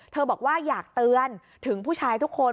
บอกว่าอยากเตือนถึงผู้ชายทุกคน